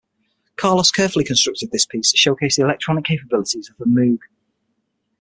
Carlos carefully constructed this piece to showcase the electronic capabilities of the Moog.